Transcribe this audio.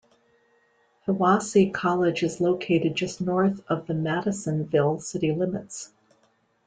Hiwassee College is located just north of the Madisonville city limits.